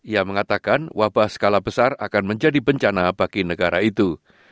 ia mengatakan wabah skala besar akan menjadi bencana bagi negara itu